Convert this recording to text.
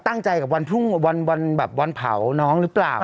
ตั้งใจกับวันพรุ่งวันแบบวันเผาน้องหรือเปล่า